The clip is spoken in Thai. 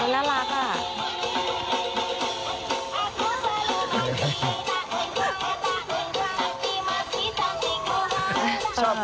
น่ารักอ่ะ